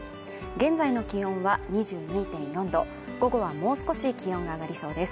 現在の気温は２２．４度午後はもう少し気温が上がりそうです